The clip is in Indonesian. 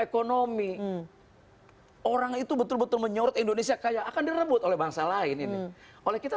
ekonomi orang itu betul betul menyorot indonesia kaya akan direbut oleh bangsa lain ini oleh kita